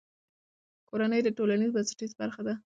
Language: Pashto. کورنۍ د ټولنې بنسټیزه برخه ده.